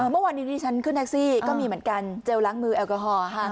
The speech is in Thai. เมื่อวานนี้ที่ฉันขึ้นแท็กซี่ก็มีเหมือนกันเจลล้างมือแอลกอฮอลค่ะ